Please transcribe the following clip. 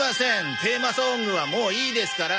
テーマソングはもういいですから。